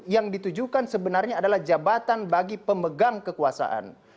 yang ditujukan sebenarnya adalah jabatan bagi pemegang kekuasaan